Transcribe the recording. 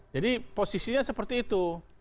jadi posisinya seperti itu